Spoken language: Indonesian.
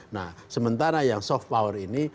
nah sementara yang soft power ini